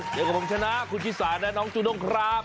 เดี๋ยวกับผมชนะคุณชิสาและน้องจูด้งครับ